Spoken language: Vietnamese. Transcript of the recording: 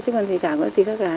chứ còn thì chả có gì khác cả